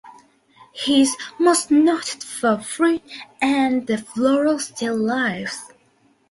He is most noted for fruit and floral still lifes.